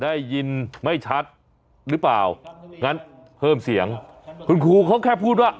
ได้ยินไม่ชัดหรือเปล่างั้นเพิ่มเสียงคุณครูเขาแค่พูดว่า